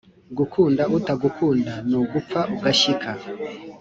Gukunda utagukunda ni ugupfa ugashyika